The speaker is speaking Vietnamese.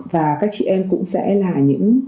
và các chị em cũng sẽ là những